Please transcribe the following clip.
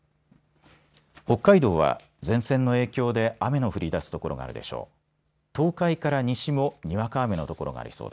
北海道は前線の影響で雨の降りだす所があるでしょう。